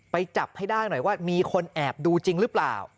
จับให้ได้หน่อยว่ามีคนแอบดูจริงหรือเปล่า